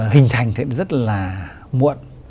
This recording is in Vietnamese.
hình thành rất là muộn